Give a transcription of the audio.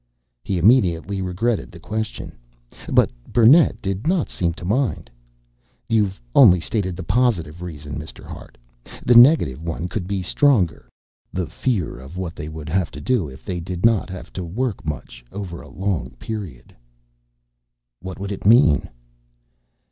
He immediately regretted the question. But Burnett did not seem to mind. "You've only stated the positive reason, Mr. Hart. The negative one could be stronger the fear of what they would have to do if they did not have to work much over a long period." "What would it mean?"